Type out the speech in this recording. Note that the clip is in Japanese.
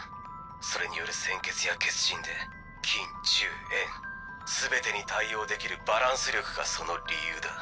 それによる「穿血」や「血刃」で近・中・遠全てに対応できるバランス力がその理由だ。